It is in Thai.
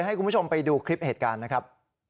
ให้คุณผู้ชมไปดูคลิปเหตุการณ์นะครับ